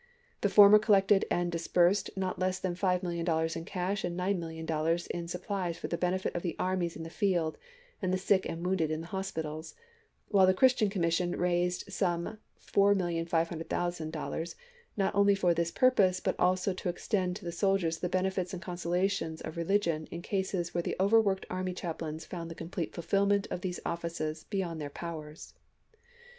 The former collected and disbursed not less than $5,000,000 in cash and $9,000,000 in sup plies for the benefit of the armies in the field and the sick and wounded in the hospitals, while the Christian Commission raised some $4,500,000, not only for this purpose, but also to extend to the soldiers the benefits and consolations of religion in cases where the overworked army chaplains found the complete fulfillment of these offices beyond their powers.